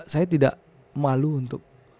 saya tidak malu untuk